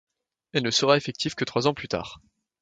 Elle ne sera effective que trois ans plus tard.